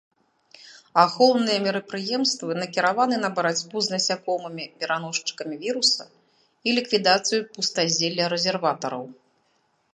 Ахоўныя мерапрыемствы накіраваны на барацьбу з насякомымі-пераносчыкамі віруса і ліквідацыю пустазелля-рэзерватараў.